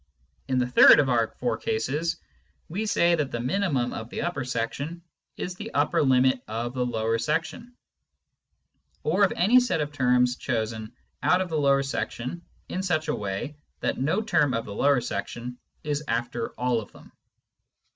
In the third of our four cases, we say that the minimum of the upper section is the upper limit of the lower section, or of any set of terms chosen out of the lower section in such a way that no term of the lower section is after all of them.